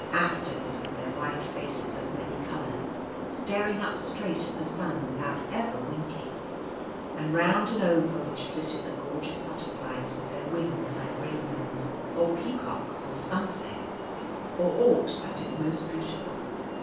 Asters, with their wide faces of many colours, staring up straight at the sun without ever wink ing, and round and over which flitjed the gorgeous butter flies, with their wings like rainbows or peacocks or sun sets, or aught that is most beautiful.